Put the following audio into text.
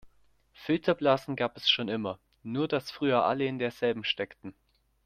Filterblasen gab es schon immer, nur das früher alle in der selben steckten.